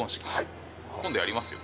はい。